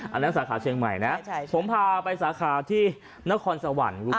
อันนั้นสาขาเชียงใหม่นะผมพาไปสาขาที่นครสวรรค์